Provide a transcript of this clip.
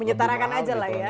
menyetarakan aja lah ya